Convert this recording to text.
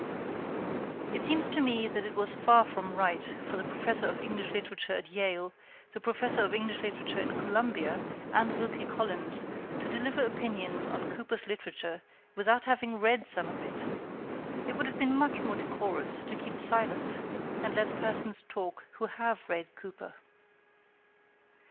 It seems to me that it was far from right for the Professor of English Literature in Yale, the Professor of English Literature in Columbia, and Wilkie Collins to deliver opinions on Cooper's literature without having read some of it. It would have been much more decorous to keep silent and let persons talk who have read Cooper.